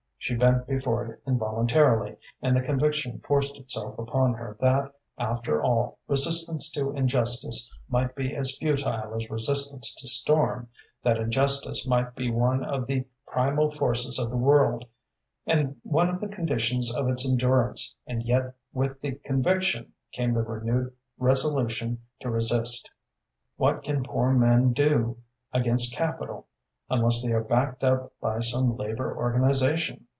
She bent before it involuntarily, and the conviction forced itself upon her that, after all, resistance to injustice might be as futile as resistance to storm, that injustice might be one of the primal forces of the world, and one of the conditions of its endurance, and yet with the conviction came the renewed resolution to resist. "What can poor men do against capital unless they are backed up by some labor organization?"